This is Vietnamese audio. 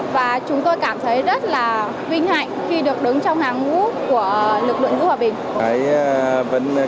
và chúng tôi cảm thấy rất là vinh hạnh khi được đứng trong hàng ngũ của lực lượng giữ hòa bình